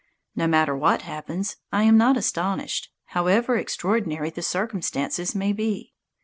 No matter what happens, I am not astonished, however extraordinary the circumstances may be.